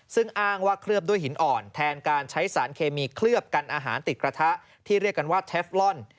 ซึ่งอ้างว่าเคลือบด้วยหินอ่อนแทนการใช้สารเคมีเคลือบกันอาหารติดกระทะที่เรียกกันว่าเทฟลอน